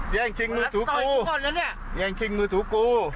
ย่างชิงมือถือกูย่างชิงมือถือกู